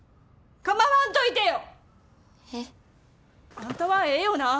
あんたはええよな。